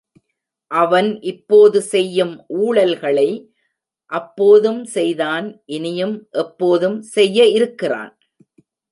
அவன் இப்போது செய்யும் ஊழல்களை அப்போதும் செய்தான் இனியும் எப்போதும் செய்ய இருக்கிறான்.